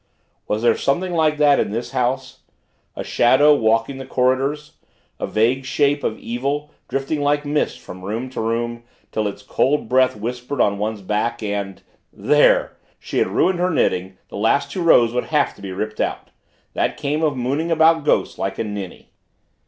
Was there something like that in this house a shadow walking the corridors a vague shape of evil, drifting like mist from room to room, till its cold breath whispered on one's back and there! She had ruined her knitting, the last two rows would have to be ripped out. That came of mooning about ghosts like a ninny.